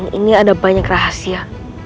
ini ada banyak rahasia